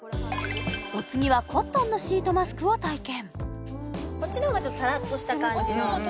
お次はコットンのシートマスクを体験